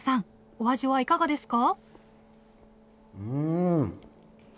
お味はいかがですか？